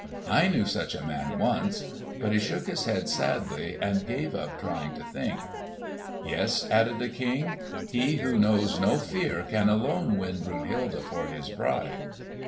"I knew such a man once." But he shook his head sadly and gave up trying to think. "Yes," added the King, "he who knows no fear can alone win Brunhilde for his bride."